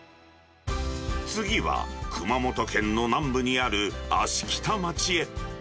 次は、熊本県の南部にある芦北町へ。